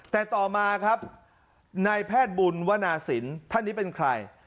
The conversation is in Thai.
แต่ต่อมาครับนายแพทย์บุญวนาศิลป์ท่านนี้เป็นใคร